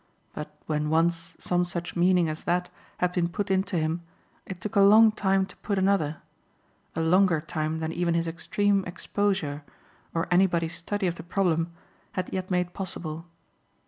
But when once some such meaning as that had been put into him it took a long time to put another, a longer time than even his extreme exposure or anybody's study of the problem had yet made possible.